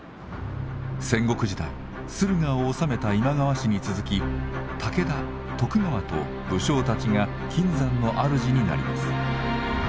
戦国時代駿河を治めた今川氏に続き武田徳川と武将たちが金山のあるじになります。